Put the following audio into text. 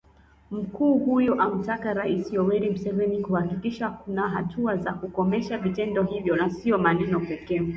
Mkuu huyo amtaka Rais Yoweri Museveni kuhakikisha kuna hatua za kukomesha vitendo hivyo na sio maneno pekee